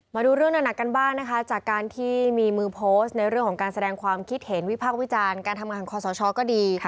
มาดูเรื่องหนักกันบ้างนะคะจากการที่มีมือโพสต์ในเรื่องของการแสดงความคิดเห็นวิพากษ์วิจารณ์การทำงานของคอสชก็ดี